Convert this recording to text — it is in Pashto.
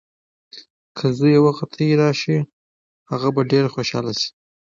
که زوی یې وختي راشي نو هغه به ډېره خوشحاله شي.